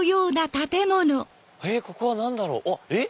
ここは何だろう？